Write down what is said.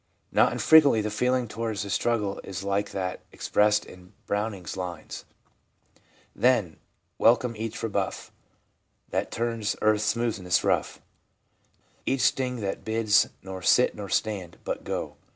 Not infrequently the feeling towards the struggle is like that expressed in Browning's lines —' Then, welcome each rebuff That turns earth's smoothness rough, Each sting that bids nor sit nor stand but go